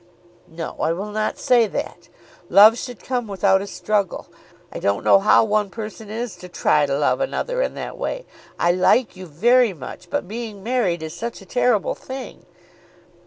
"No; I will not say that. Love should come without a struggle. I don't know how one person is to try to love another in that way. I like you very much; but being married is such a terrible thing."